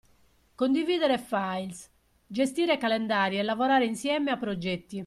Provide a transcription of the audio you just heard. Condividere files, gestire calendari e lavorare insieme a progetti.